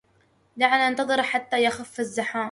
دعنا ننتظر حتى يخف الزحام.